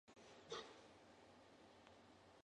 未来ズラ